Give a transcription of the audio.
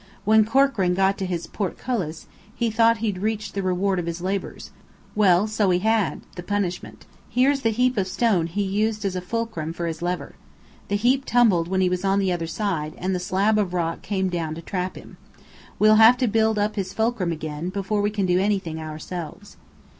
When Corkran got to his portcullis, he thought he'd reached the reward of his labours. Well so he had the punishment. Here's the heap of stone he used as a fulcrum for his lever. The heap tumbled when he was on the other side, and the slab of rock came down to trap him. We'll have to build up his fulcrum again, before we can do anything ourselves."